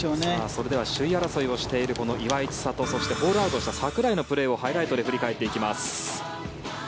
それでは首位争いをしている岩井千怜そしてホールアウトした櫻井のプレーをハイライトで振り返っていきます。